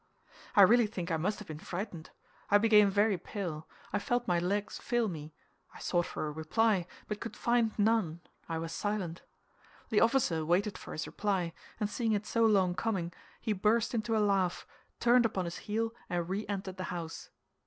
I really think I must have been frightened. I became very pale; I felt my legs fail me; I sought for a reply, but could find none—I was silent. The officer waited for his reply, and seeing it so long coming, he burst into a laugh, turned upon his heel, and re entered the house.